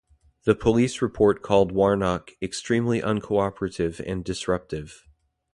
The police report called Warnock "extremely uncooperative and disruptive".